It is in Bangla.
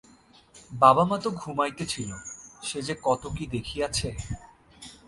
বাবা মা তো ঘুমাইতেছিল-সে যে কত কি দেখিয়াছে।